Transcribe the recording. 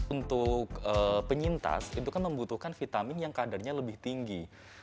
untuk penyintas itu kan membutuhkan vitamin yang kadarnya lebih tinggi